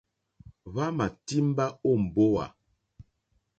Hwámà tìmbá ó mbówà.